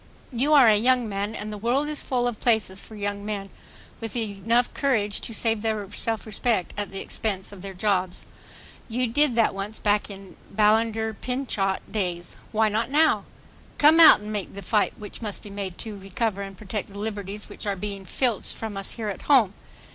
You are a young man and the world is full of places for young men with courage enough to save their self respect at the expense of their jobs. You did that once, back in the Ballinger Pinchot days. Why not now? Come out and help make the fight which must be made to recover and protect the liberties which are being filched from us here at home.